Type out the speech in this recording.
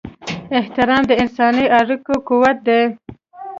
احترام د انساني اړیکو قوت دی.